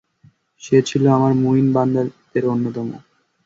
সে ছিল আমার মুমিন বান্দাদের অন্যতম।